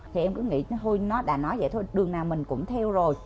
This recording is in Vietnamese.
thì em cứ nghĩ thôi nó đã nói vậy thôi đường nào mình cũng theo rồi